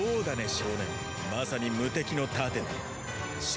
少年まさに無敵の盾だろう？